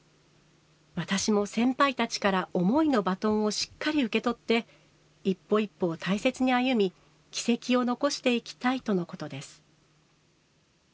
私も先輩たちから思いのバトンをしっかり受け取って一歩一歩を大切に歩み、軌跡を残していきたいとのことです。